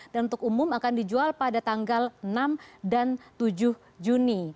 dan untuk umum akan dijual pada tanggal enam dan tujuh juni